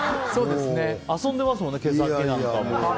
遊んでますもんね、毛先なんかも。